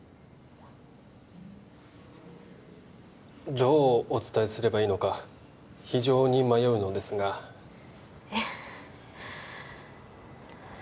どうお伝えすればいいのか非常に迷うのですがえっ？